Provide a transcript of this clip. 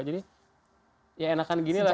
jadi ya enakan ginilah